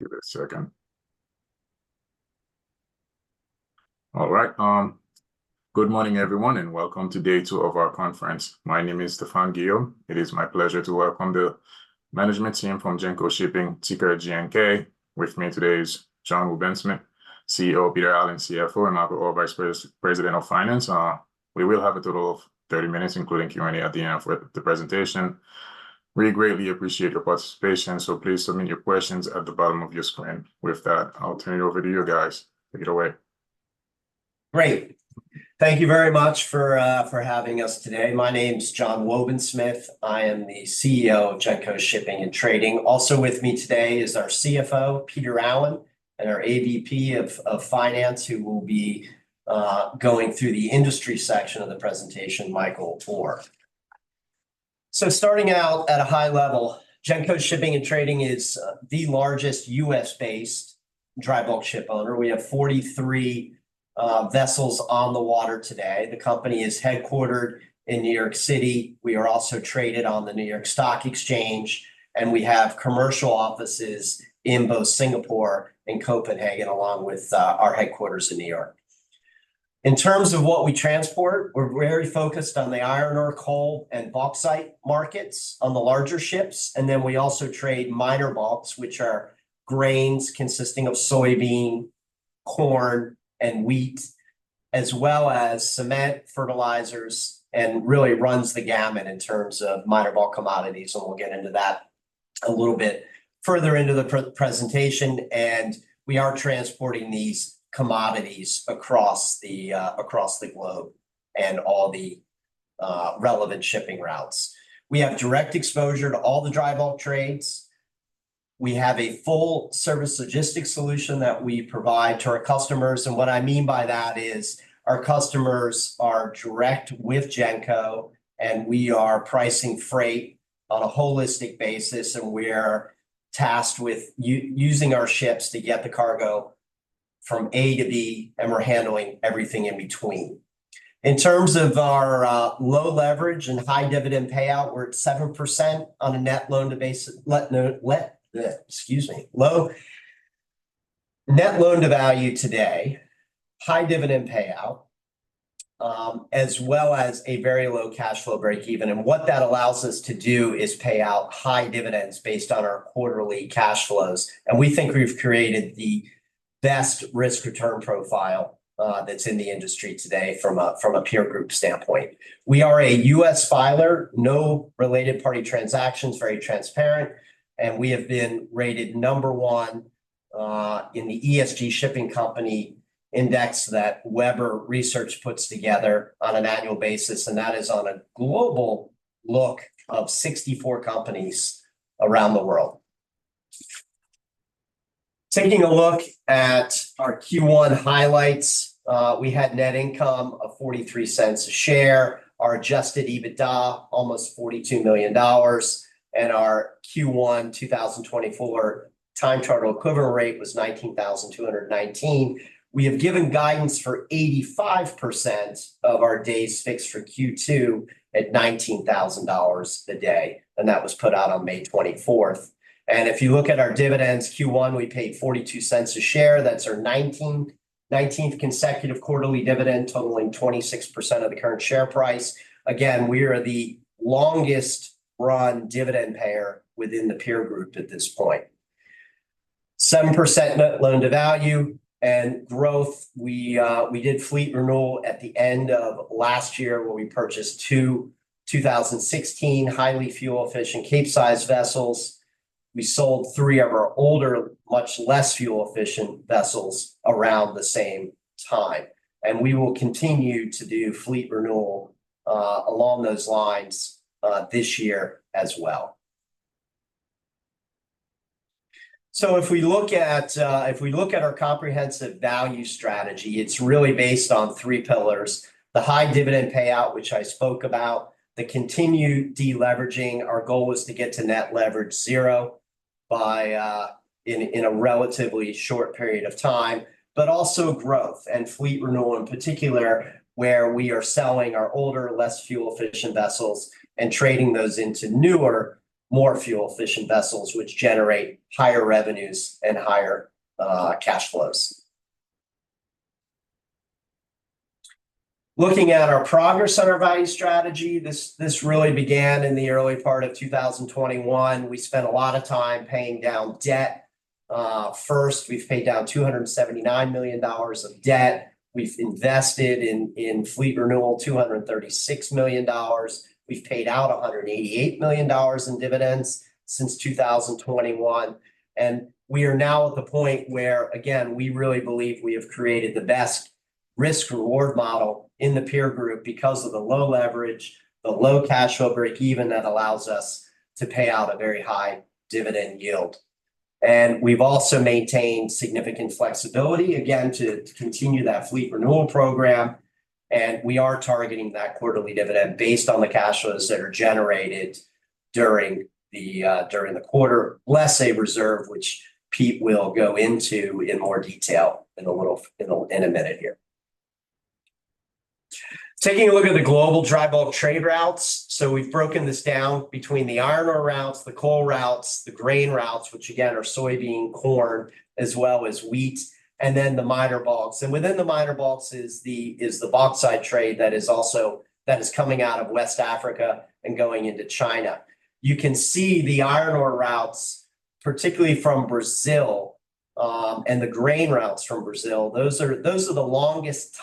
Give it a second. All right. Good morning, everyone, and welcome to day two of our conference. My name is Stefan Gill. It is my pleasure to welcome the management team from Genco Shipping, ticker GNK. With me today is John Wobensmith, CEO, Peter Allen, CFO, and Michael Orr, Vice President of Finance. We will have a total of 30 minutes, including Q&A at the end of the presentation. We greatly appreciate your participation, so please submit your questions at the bottom of your screen. With that, I'll turn it over to you guys. Take it away. Great. Thank you very much for having us today. My name's John Wobensmith. I am the CEO of Genco Shipping & Trading. Also with me today is our CFO, Peter Allen, and our AVP of Finance, who will be going through the industry section of the presentation, Michael Orr. So starting out at a high level, Genco Shipping & Trading is the largest U.S.-based dry bulk ship owner. We have 43 vessels on the water today. The company is headquartered in New York City. We are also traded on the New York Stock Exchange, and we have commercial offices in both Singapore and Copenhagen, along with our headquarters in New York. In terms of what we transport, we're very focused on the iron ore, coal, and bauxite markets on the larger ships. We also trade minor bulks, which are grains consisting of soybean, corn, and wheat, as well as cement, fertilizers, and really runs the gamut in terms of minor bulk commodities. We'll get into that a little bit further into the presentation. We are transporting these commodities across the globe and all the relevant shipping routes. We have direct exposure to all the dry bulk trades. We have a full-service logistics solution that we provide to our customers. What I mean by that is our customers are direct with Genco, and we are pricing freight on a holistic basis. We're tasked with using our ships to get the cargo from A to B, and we're handling everything in between. In terms of our low leverage and high dividend payout, we're at 7% on a net loan-to-value basis, excuse me, low net loan-to-value today, high dividend payout, as well as a very low cash flow breakeven. What that allows us to do is pay out high dividends based on our quarterly cash flows. We think we've created the best risk-return profile that's in the industry today from a peer group standpoint. We are a U.S. filer, no related party transactions, very transparent. We have been rated number one in the ESG Shipping Company Index that Webber Research puts together on an annual basis. That is on a global look of 64 companies around the world. Taking a look at our Q1 highlights, we had net income of $0.43 a share, our adjusted EBITDA almost $42 million, and our Q1 2024 time charter equivalent rate was $19,219. We have given guidance for 85% of our days fixed for Q2 at $19,000 a day. That was put out on May 24th. If you look at our dividends, Q1, we paid $0.42 a share. That's our 19th consecutive quarterly dividend totaling 26% of the current share price. Again, we are the longest-run dividend payer within the peer group at this point. 7% net loan-to-value. Growth, we did fleet renewal at the end of last year where we purchased two 2016 highly fuel-efficient Capesize vessels. We sold three of our older, much less fuel-efficient vessels around the same time. We will continue to do fleet renewal along those lines this year as well. So if we look at our comprehensive value strategy, it's really based on three pillars: the high dividend payout, which I spoke about, the continued deleveraging, our goal is to get to net leverage zero in a relatively short period of time, but also growth and fleet renewal in particular, where we are selling our older, less fuel-efficient vessels and trading those into newer, more fuel-efficient vessels, which generate higher revenues and higher cash flows. Looking at our progress on our value strategy, this really began in the early part of 2021. We spent a lot of time paying down debt. First, we've paid down $279 million of debt. We've invested in fleet renewal $236 million. We've paid out $188 million in dividends since 2021. We are now at the point where, again, we really believe we have created the best risk-reward model in the peer group because of the low leverage, the low cash flow breakeven that allows us to pay out a very high dividend yield. We've also maintained significant flexibility, again, to continue that fleet renewal program. We are targeting that quarterly dividend based on the cash flows that are generated during the quarter, less a reserve, which Pete will go into in more detail in a minute here. Taking a look at the global dry bulk trade routes, we've broken this down between the iron ore routes, the coal routes, the grain routes, which again are soybean, corn, as well as wheat, and then the minor bulks. Within the minor bulks is the bauxite trade that is coming out of West Africa and going into China. You can see the iron ore routes, particularly from Brazil, and the grain routes from Brazil. Those are the longest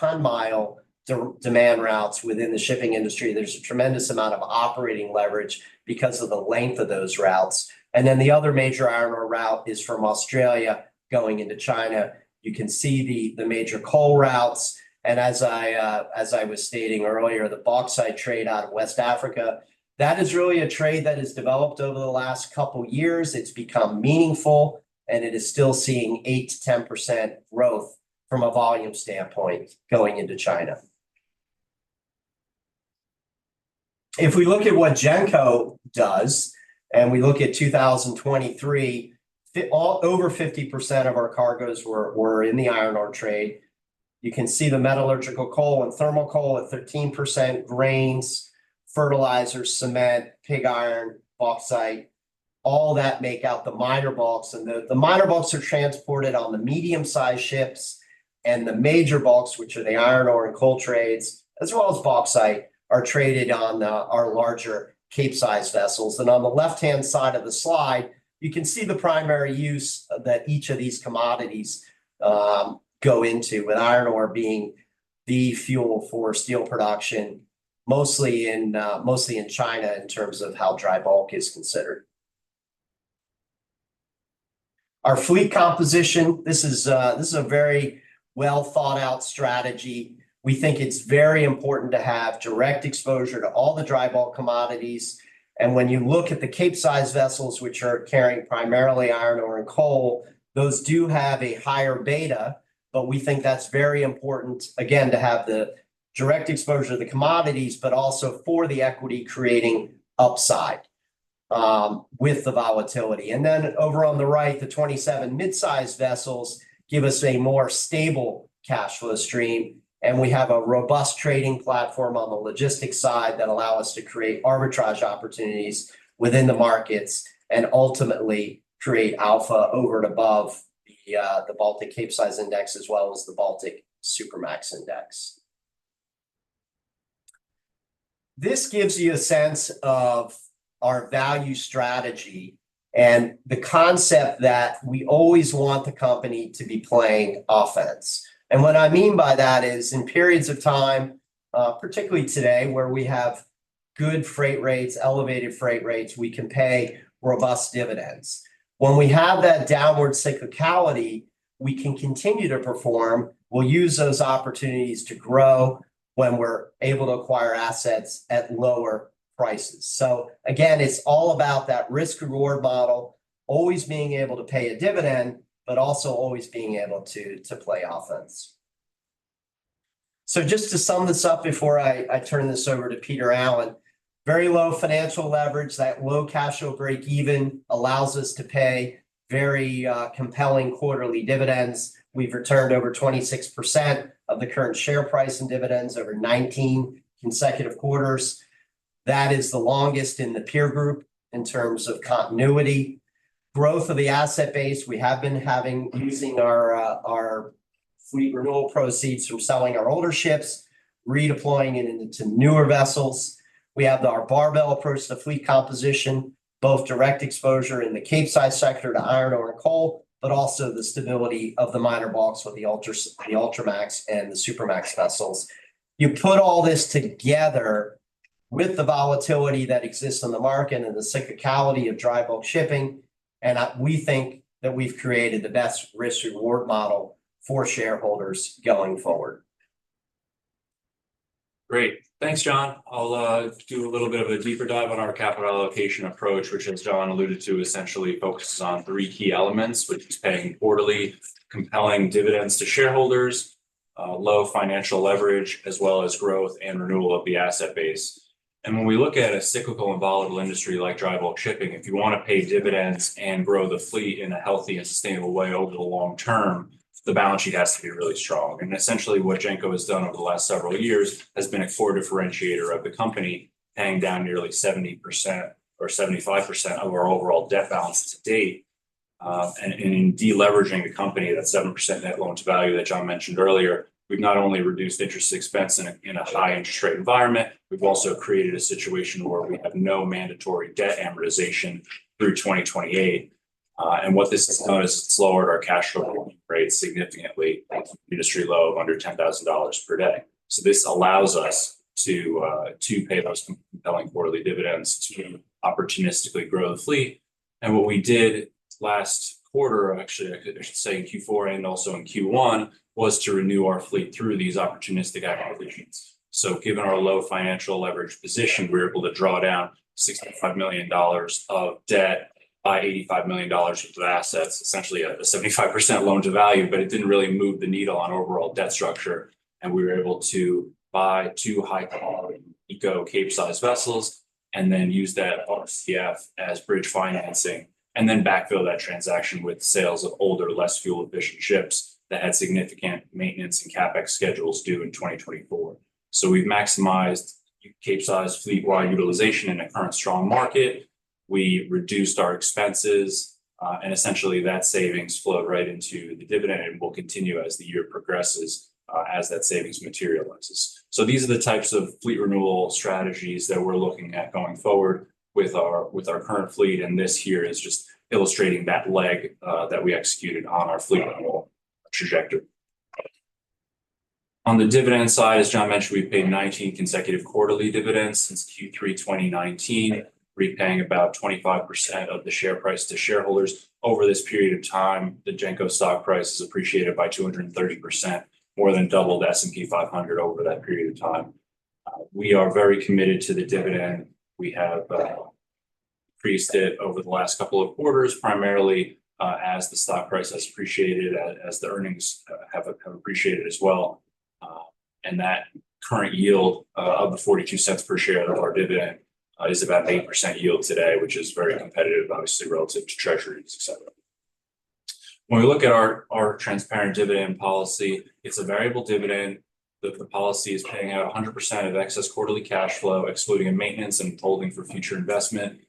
ton-mile demand routes within the shipping industry. There's a tremendous amount of operating leverage because of the length of those routes. And then the other major iron ore route is from Australia going into China. You can see the major coal routes. And as I was stating earlier, the bauxite trade out of West Africa, that is really a trade that has developed over the last couple of years. It's become meaningful, and it is still seeing 8%-10% growth from a volume standpoint going into China. If we look at what Genco does and we look at 2023, over 50% of our cargoes were in the iron ore trade. You can see the metallurgical coal and thermal coal at 13%, grains, fertilizers, cement, pig iron, bauxite, all that make up the minor bulks. The minor bulks are transported on the medium-sized ships, and the major bulks, which are the iron ore and coal trades, as well as bauxite, are traded on our larger Capesize vessels. On the left-hand side of the slide, you can see the primary use that each of these commodities go into, with iron ore being the fuel for steel production, mostly in China in terms of how dry bulk is considered. Our fleet composition, this is a very well-thought-out strategy. We think it's very important to have direct exposure to all the dry bulk commodities. When you look at the Capesize vessels, which are carrying primarily iron ore and coal, those do have a higher beta. But we think that's very important, again, to have the direct exposure to the commodities, but also for the equity creating upside with the volatility. And then over on the right, the 27 mid-sized vessels give us a more stable cash flow stream. And we have a robust trading platform on the logistics side that allows us to create arbitrage opportunities within the markets and ultimately create alpha over and above the Baltic Capesize Index, as well as the Baltic Supramax Index. This gives you a sense of our value strategy and the concept that we always want the company to be playing offense. And what I mean by that is in periods of time, particularly today, where we have good freight rates, elevated freight rates, we can pay robust dividends. When we have that downward cyclicality, we can continue to perform. We'll use those opportunities to grow when we're able to acquire assets at lower prices. So again, it's all about that risk-reward model, always being able to pay a dividend, but also always being able to play offense. So just to sum this up before I turn this over to Peter Allen, very low financial leverage, that low cash flow breakeven allows us to pay very compelling quarterly dividends. We've returned over 26% of the current share price in dividends over 19 consecutive quarters. That is the longest in the peer group in terms of continuity. Growth of the asset base we have been having using our fleet renewal proceeds from selling our older ships, redeploying it into newer vessels. We have our barbell approach to fleet composition, both direct exposure in the Capesize sector to iron ore and coal, but also the stability of the minor bulks with the Ultramax and the Supramax vessels. You put all this together with the volatility that exists in the market and the cyclicality of dry bulk shipping, and we think that we've created the best risk-reward model for shareholders going forward. Great. Thanks, John. I'll do a little bit of a deeper dive on our capital allocation approach, which, as John alluded to, essentially focuses on three key elements, which is paying quarterly compelling dividends to shareholders, low financial leverage, as well as growth and renewal of the asset base. When we look at a cyclical and volatile industry like dry bulk shipping, if you want to pay dividends and grow the fleet in a healthy and sustainable way over the long term, the balance sheet has to be really strong. Essentially what Genco has done over the last several years has been a core differentiator of the company, paying down nearly 70% or 75% of our overall debt balance to date. In deleveraging the company, that 7% net loan-to-value that John mentioned earlier, we've not only reduced interest expense in a high interest rate environment, we've also created a situation where we have no mandatory debt amortization through 2028. What this has done is it's lowered our cash flow rate significantly to an industry low of under $10,000 per day. This allows us to pay those compelling quarterly dividends, to opportunistically grow the fleet. What we did last quarter, actually, I should say in Q4 and also in Q1, was to renew our fleet through these opportunistic amortizations. Given our low financial leverage position, we were able to draw down $65 million of debt by $85 million of the assets, essentially a 75% loan-to-value, but it didn't really move the needle on overall debt structure. We were able to buy 2 high-quality eco-Capesize vessels and then use that RCF as bridge financing and then backfill that transaction with sales of older, less fuel-efficient ships that had significant maintenance and CapEx schedules due in 2024. So we've maximized Capesize fleet-wide utilization in a current strong market. We reduced our expenses, and essentially that savings flowed right into the dividend and will continue as the year progresses as that savings materializes. So these are the types of fleet renewal strategies that we're looking at going forward with our current fleet. And this here is just illustrating that leg that we executed on our fleet renewal trajectory. On the dividend side, as John mentioned, we've paid 19 consecutive quarterly dividends since Q3 2019, repaying about 25% of the share price to shareholders. Over this period of time, the Genco stock price has appreciated by 230%, more than doubled the S&P 500 over that period of time. We are very committed to the dividend. We have increased it over the last couple of quarters, primarily as the stock price has appreciated, as the earnings have appreciated as well. That current yield of the $0.42 per share of our dividend is about an 8% yield today, which is very competitive, obviously, relative to Treasuries, etc. When we look at our transparent dividend policy, it's a variable dividend. The policy is paying out 100% of excess quarterly cash flow, excluding maintenance and holding for future investment.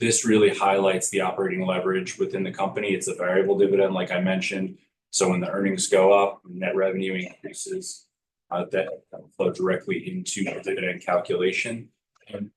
This really highlights the operating leverage within the company. It's a variable dividend, like I mentioned. So when the earnings go up, net revenue increases, that flows directly into the dividend calculation.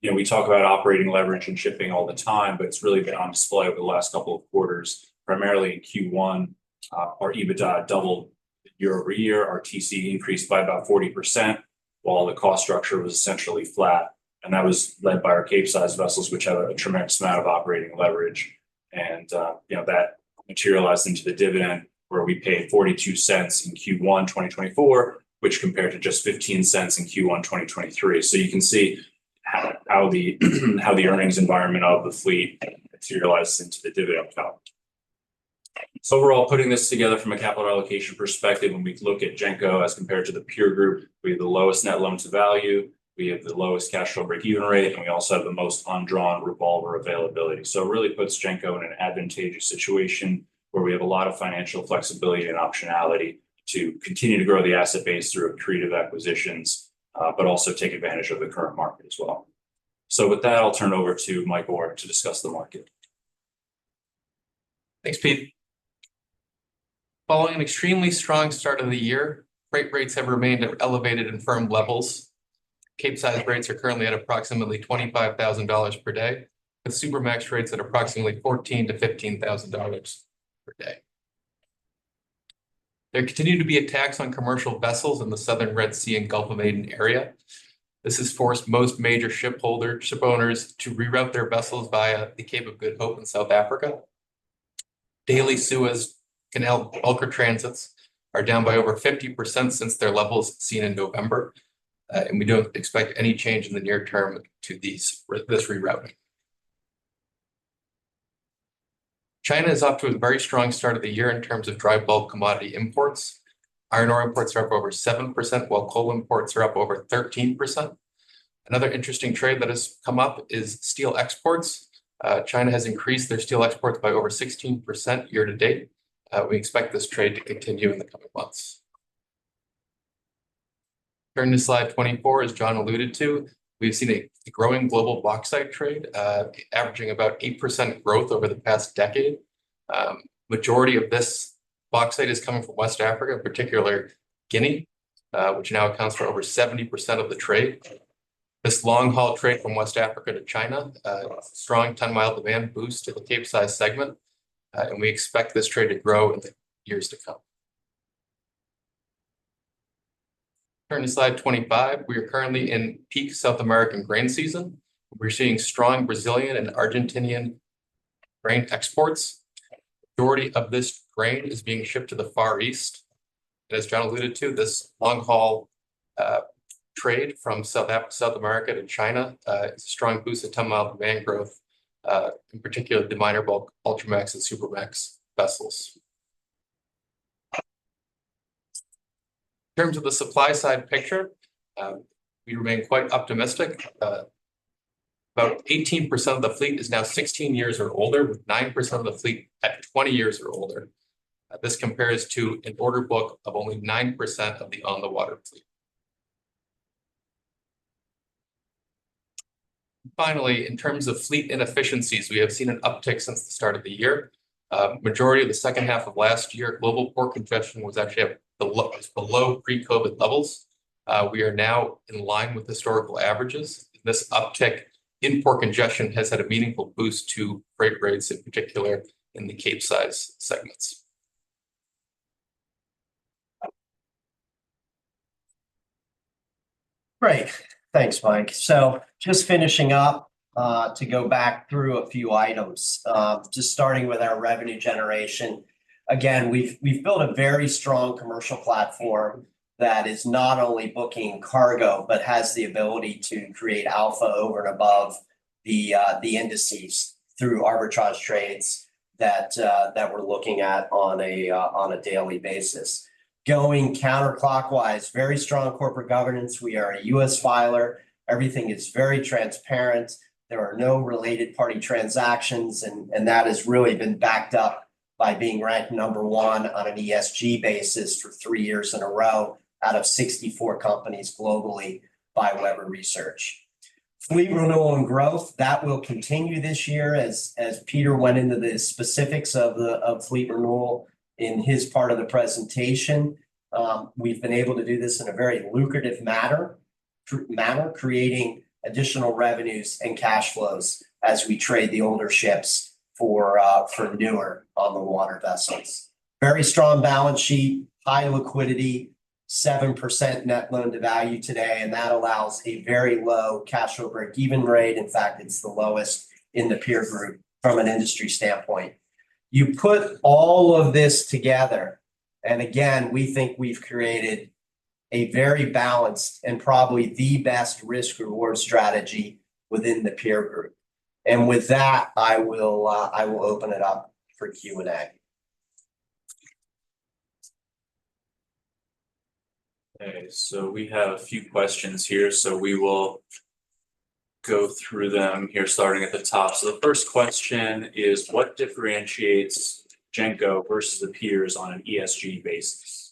We talk about operating leverage and shipping all the time, but it's really been on display over the last couple of quarters. Primarily in Q1, our EBITDA doubled year-over-year. Our TC increased by about 40%, while the cost structure was essentially flat. That was led by our Capesize vessels, which have a tremendous amount of operating leverage. That materialized into the dividend, where we paid $0.42 in Q1 2024, which compared to just $0.15 in Q1 2023. You can see how the earnings environment of the fleet materialized into the dividend calculation. Overall, putting this together from a capital allocation perspective, when we look at Genco as compared to the peer group, we have the lowest net loan-to-value, we have the lowest cash flow breakeven rate, and we also have the most undrawn revolver availability. So it really puts Genco in an advantageous situation where we have a lot of financial flexibility and optionality to continue to grow the asset base through creative acquisitions, but also take advantage of the current market as well. So with that, I'll turn it over to Michael Orr to discuss the market. Thanks, Pete. Following an extremely strong start of the year, freight rates have remained at elevated and firm levels. Capesize rates are currently at approximately $25,000 per day, with Supramax rates at approximately $14,000-$15,000 per day. There continues to be a tax on commercial vessels in the Southern Red Sea and Gulf of Aden area. This has forced most major shipowners to reroute their vessels via the Cape of Good Hope in South Africa. Daily Suez Canal bulker transits are down by over 50% since their levels seen in November. We don't expect any change in the near term to this rerouting. China is off to a very strong start of the year in terms of dry bulk commodity imports. Iron ore imports are up over 7%, while coal imports are up over 13%. Another interesting trade that has come up is steel exports. China has increased their steel exports by over 16% year to date. We expect this trade to continue in the coming months. During this slide 24, as John alluded to, we've seen a growing global bauxite trade, averaging about 8% growth over the past decade. Majority of this bauxite is coming from West Africa, in particular Guinea, which now accounts for over 70% of the trade. This long-haul trade from West Africa to China, a strong ton-mile demand boost to the Capesize segment. We expect this trade to grow in the years to come. Turning to slide 25, we are currently in peak South American grain season. We're seeing strong Brazilian and Argentinian grain exports. The majority of this grain is being shipped to the Far East. And as John alluded to, this long-haul trade from South America to China is a strong boost to ton-mile demand growth, in particular the minor bulk, Ultramax, and Supramax vessels. In terms of the supply-side picture, we remain quite optimistic. About 18% of the fleet is now 16 years or older, with 9% of the fleet at 20 years or older. This compares to an order book of only 9% of the on-the-water fleet. Finally, in terms of fleet inefficiencies, we have seen an uptick since the start of the year. Majority of the second half of last year, global port congestion was actually at the lowest pre-COVID levels. We are now in line with historical averages. This uptick in port congestion has had a meaningful boost to freight rates, in particular in the Capesize segments. Great. Thanks, Mike. So just finishing up to go back through a few items, just starting with our revenue generation. Again, we've built a very strong commercial platform that is not only booking cargo, but has the ability to create alpha over and above the indices through arbitrage trades that we're looking at on a daily basis. Going counterclockwise, very strong corporate governance. We are a U.S. filer. Everything is very transparent. There are no related party transactions. And that has really been backed up by being ranked number one on an ESG basis for three years in a row out of 64 companies globally by Webber Research. Fleet renewal and growth, that will continue this year. As Peter went into the specifics of fleet renewal in his part of the presentation, we've been able to do this in a very lucrative manner, creating additional revenues and cash flows as we trade the older ships for newer on-the-water vessels. Very strong balance sheet, high liquidity, 7% net loan-to-value today. That allows a very low cash flow breakeven rate. In fact, it's the lowest in the peer group from an industry standpoint. You put all of this together. Again, we think we've created a very balanced and probably the best risk-reward strategy within the peer group. With that, I will open it up for Q&A. Okay. So we have a few questions here. So we will go through them here starting at the top. So the first question is, what differentiates Genco versus the peers on an ESG basis?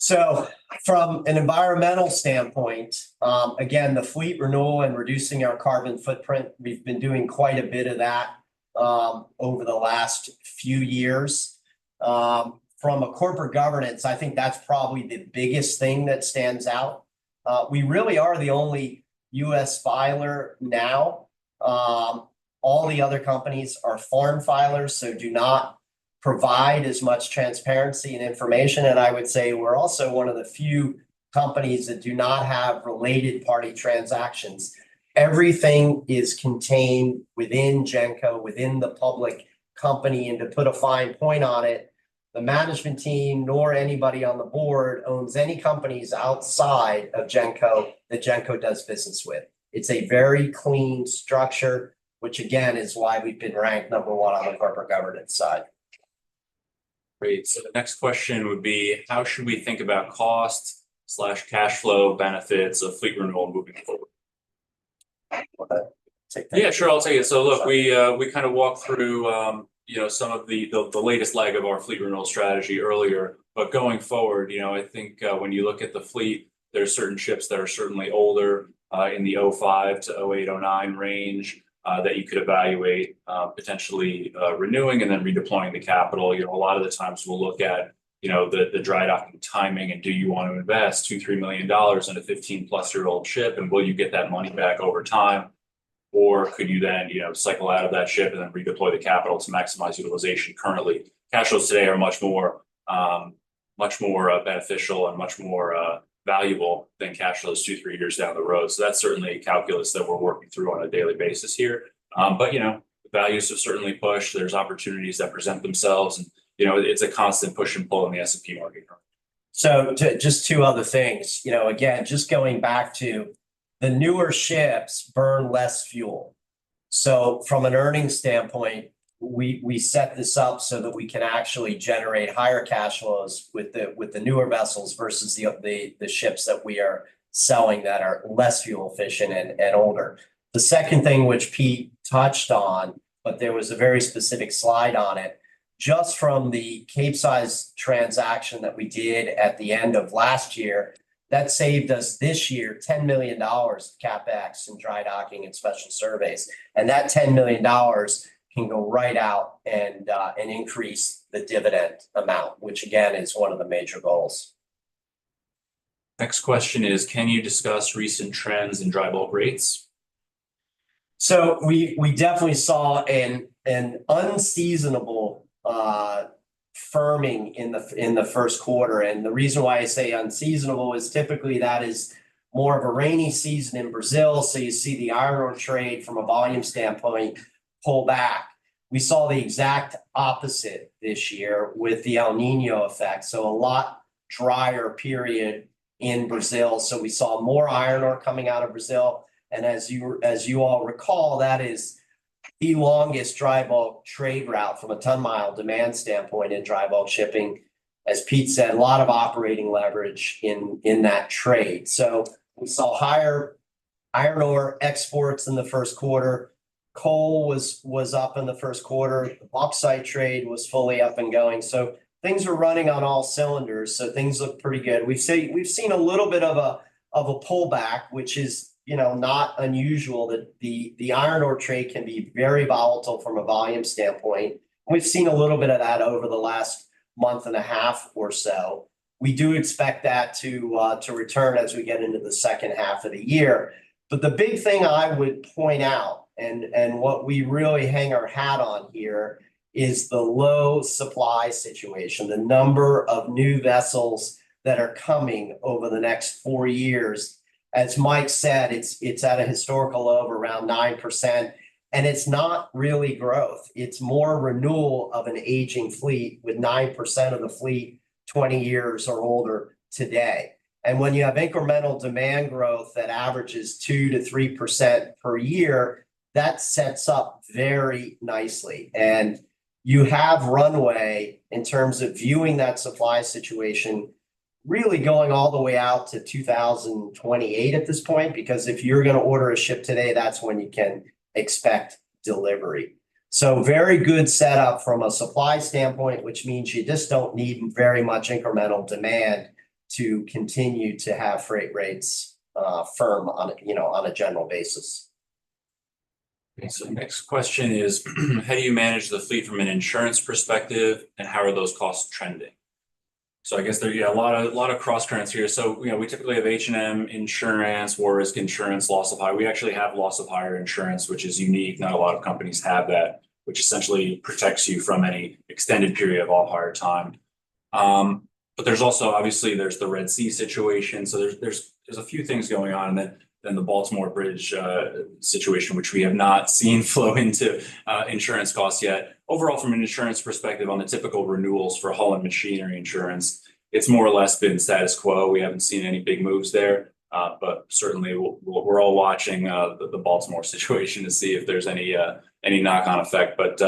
So from an environmental standpoint, again, the fleet renewal and reducing our carbon footprint, we've been doing quite a bit of that over the last few years. From a corporate governance, I think that's probably the biggest thing that stands out. We really are the only U.S. filer now. All the other companies are foreign filers, so do not provide as much transparency and information. And I would say we're also one of the few companies that do not have related party transactions. Everything is contained within Genco, within the public company. And to put a fine point on it, the management team nor anybody on the board owns any companies outside of Genco that Genco does business with. It's a very clean structure, which again is why we've been ranked number one on the corporate governance side. Great. The next question would be, how should we think about cost/cash flow benefits of fleet renewal moving forward? Yeah, sure. I'll take it. So look, we kind of walked through some of the latest leg of our fleet renewal strategy earlier. But going forward, I think when you look at the fleet, there are certain ships that are certainly older in the 2005 to 2008, 2009 range that you could evaluate potentially renewing and then redeploying the capital. A lot of the times we'll look at the dry docking timing and do you want to invest $2 million-$3 million in a 15+-year-old ship, and will you get that money back over time, or could you then cycle out of that ship and then redeploy the capital to maximize utilization currently? Cash flows today are much more beneficial and much more valuable than cash flows two, three years down the road. So that's certainly a calculus that we're working through on a daily basis here. The values have certainly pushed. There's opportunities that present themselves. It's a constant push and pull in the S&P market. So just two other things. Again, just going back to the newer ships burn less fuel. So from an earnings standpoint, we set this up so that we can actually generate higher cash flows with the newer vessels versus the ships that we are selling that are less fuel efficient and older. The second thing, which Pete touched on, but there was a very specific slide on it, just from the Capesize transaction that we did at the end of last year, that saved us this year $10 million of CapEx in dry docking and special surveys. And that $10 million can go right out and increase the dividend amount, which again is one of the major goals. Next question is, can you discuss recent trends in dry bulk rates? So we definitely saw an unseasonable firming in the first quarter. And the reason why I say unseasonable is typically that is more of a rainy season in Brazil. So you see the iron ore trade from a volume standpoint pull back. We saw the exact opposite this year with the El Niño effect. So a lot drier period in Brazil. So we saw more iron ore coming out of Brazil. And as you all recall, that is the longest dry bulk trade route from a ton-mile demand standpoint in dry bulk shipping. As Pete said, a lot of operating leverage in that trade. So we saw higher iron ore exports in the first quarter. Coal was up in the first quarter. The bauxite trade was fully up and going. So things are running on all cylinders. So things look pretty good. We've seen a little bit of a pullback, which is not unusual that the iron ore trade can be very volatile from a volume standpoint. We've seen a little bit of that over the last month and a half or so. We do expect that to return as we get into the second half of the year. But the big thing I would point out, and what we really hang our hat on here, is the low supply situation, the number of new vessels that are coming over the next four years. As Mike said, it's at a historical low of around 9%. And it's not really growth. It's more renewal of an aging fleet with 9% of the fleet 20 years or older today. And when you have incremental demand growth that averages 2%-3% per year, that sets up very nicely. You have runway in terms of viewing that supply situation really going all the way out to 2028 at this point, because if you're going to order a ship today, that's when you can expect delivery. Very good setup from a supply standpoint, which means you just don't need very much incremental demand to continue to have freight rates firm on a general basis. So next question is, how do you manage the fleet from an insurance perspective, and how are those costs trending? So I guess there are a lot of cross currents here. So we typically have H&M Insurance, War Risk Insurance, Loss of Hire. We actually have Loss of Hire Insurance, which is unique. Not a lot of companies have that, which essentially protects you from any extended period of off-hire time. But there's also, obviously, there's the Red Sea situation. So there's a few things going on. And then the Baltimore Bridge situation, which we have not seen flow into insurance costs yet. Overall, from an insurance perspective on the typical renewals for hull and machinery insurance, it's more or less been status quo. We haven't seen any big moves there. But certainly, we're all watching the Baltimore situation to see if there's any knock-on effect, but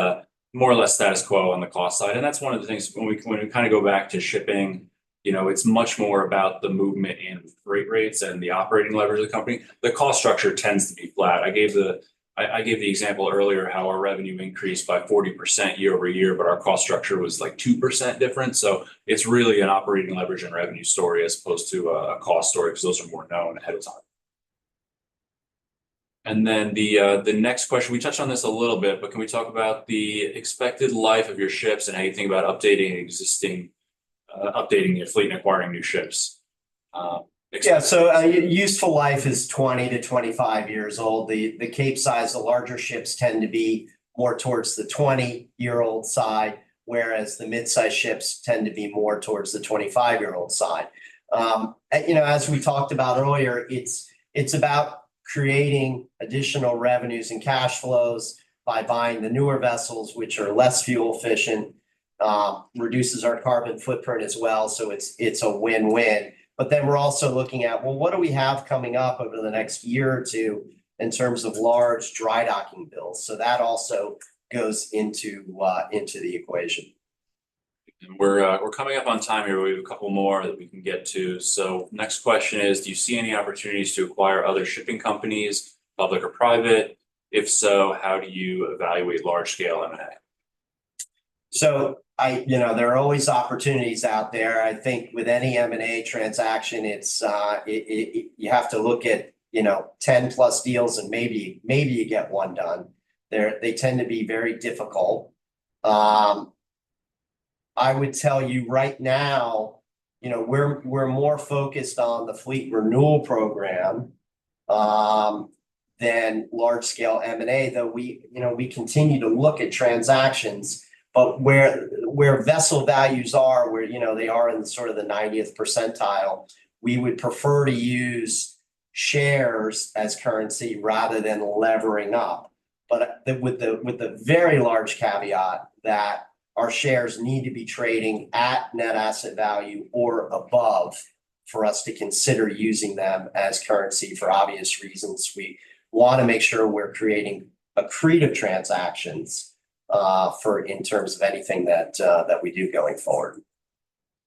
more or less status quo on the cost side. And that's one of the things when we kind of go back to shipping, it's much more about the movement and freight rates and the operating leverage of the company. The cost structure tends to be flat. I gave the example earlier how our revenue increased by 40% year-over-year, but our cost structure was like 2% different. So it's really an operating leverage and revenue story as opposed to a cost story because those are more known ahead of time. And then the next question, we touched on this a little bit, but can we talk about the expected life of your ships and anything about updating your fleet and acquiring new ships? Yeah. So useful life is 20-25 years old. The Capesize, the larger ships tend to be more towards the 20-year-old side, whereas the mid-sized ships tend to be more towards the 25-year-old side. As we talked about earlier, it's about creating additional revenues and cash flows by buying the newer vessels, which are less fuel efficient, reduces our carbon footprint as well. So it's a win-win. But then we're also looking at, well, what do we have coming up over the next year or two in terms of large dry docking bills? So that also goes into the equation. We're coming up on time here. We have a couple more that we can get to. Next question is, do you see any opportunities to acquire other shipping companies, public or private? If so, how do you evaluate large-scale M&A? So there are always opportunities out there. I think with any M&A transaction, you have to look at 10+ deals, and maybe you get one done. They tend to be very difficult. I would tell you right now, we're more focused on the fleet renewal program than large-scale M&A. Though we continue to look at transactions, but where vessel values are, where they are in sort of the 90th percentile, we would prefer to use shares as currency rather than levering up. But with the very large caveat that our shares need to be trading at net asset value or above for us to consider using them as currency for obvious reasons. We want to make sure we're creating accretive transactions in terms of anything that we do going forward.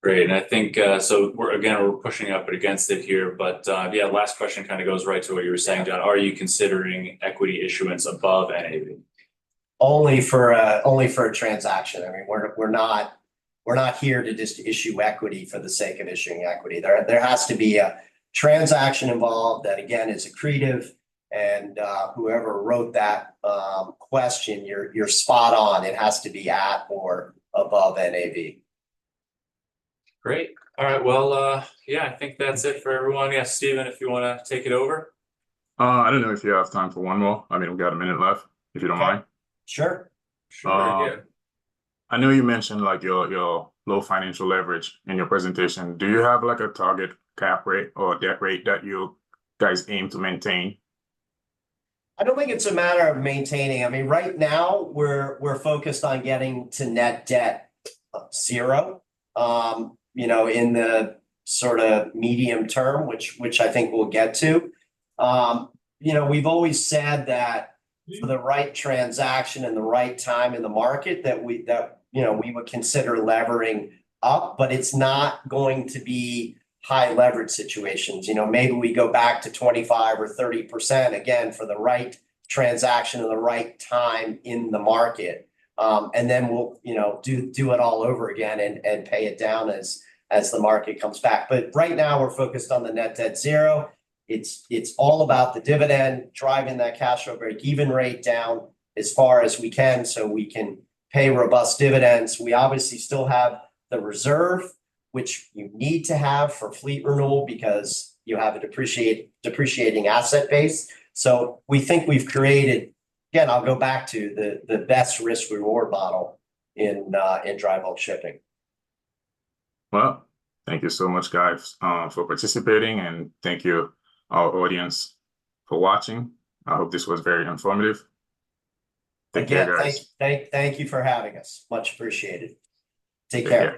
Great. And I think, so again, we're pushing up against it here. But yeah, last question kind of goes right to what you were saying, John. Are you considering equity issuance above anything? Only for a transaction. I mean, we're not here to just issue equity for the sake of issuing equity. There has to be a transaction involved that, again, is accretive. And whoever wrote that question, you're spot on. It has to be at or above NAV. Great. All right. Well, yeah, I think that's it for everyone. Yes, Steven, if you want to take it over. I didn't know if you have time for one more. I mean, we've got a minute left, if you don't mind. Sure. Sure. I know you mentioned your low financial leverage in your presentation. Do you have a target cap rate or debt rate that you guys aim to maintain? I don't think it's a matter of maintaining. I mean, right now, we're focused on getting to net debt zero in the sort of medium term, which I think we'll get to. We've always said that the right transaction and the right time in the market that we would consider levering up, but it's not going to be high leverage situations. Maybe we go back to 25% or 30% again for the right transaction and the right time in the market. And then we'll do it all over again and pay it down as the market comes back. But right now, we're focused on the net debt zero. It's all about the dividend, driving that cash over a given rate down as far as we can so we can pay robust dividends. We obviously still have the reserve, which you need to have for fleet renewal because you have a depreciating asset base. So we think we've created, again, I'll go back to the best risk-reward model in dry bulk shipping. Well, thank you so much, guys, for participating. Thank you, our audience, for watching. I hope this was very informative. Thank you, guys. Thank you for having us. Much appreciated. Take care.